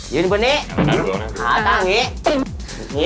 อยู่ตรงนี้หัวเตงอย่างนี้